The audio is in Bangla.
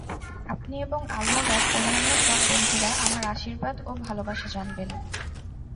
আপনি এবং আলমোড়ার অন্যান্য সব বন্ধুরা আমার আশীর্বাদ ও ভালবাসা জানবেন।